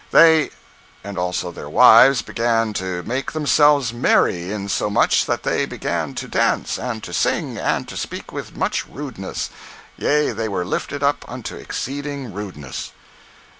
They, "and also their wives, began to make themselves merry, insomuch that they began to dance, and to sing, and to speak with much rudeness; yea, they were lifted up unto exceeding rudeness."